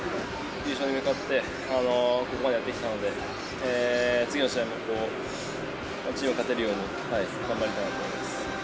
優勝に向かってここまでやってきたので、次の試合もチームが勝てるように、頑張りたいなと思います。